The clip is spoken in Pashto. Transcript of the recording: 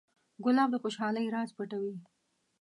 ګلاب د خوشحالۍ راز پټوي.